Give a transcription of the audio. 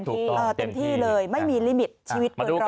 เต็มที่เลยไม่มีลิมิตชีวิตเปิดรอ